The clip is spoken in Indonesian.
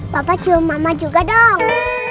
bapak cuma mama juga dong